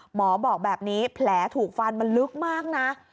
หมอบอกแบบนี้แผลถูกฟันมันลึกมากนะ